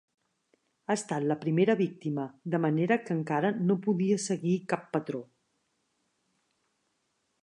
Ha estat la primera víctima, de manera que encara no podia seguir cap patró.